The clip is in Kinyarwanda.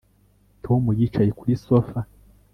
Tom yicaye kuri sofa